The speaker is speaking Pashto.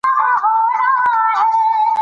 هغه د خپل سفر یادښتونه وروسته کتاب کړل.